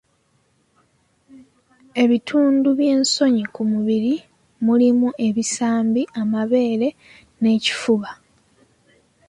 Ebitundu ebyensonyi ku mubiri mulimu ebisambi, amabeere n'ekifuba.